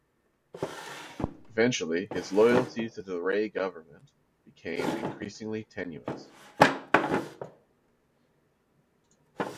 Eventually his loyalty to the Rae government became increasingly tenuous.